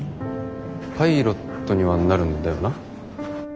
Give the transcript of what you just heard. パイロットにはなるんだよな？